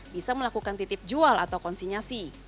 bisa melakukan titip jual atau konsinyasi